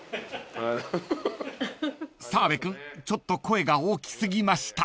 ［澤部君ちょっと声が大き過ぎました］